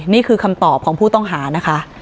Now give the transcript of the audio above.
นี่คือคำตอบของผู้ต้องหานะคะ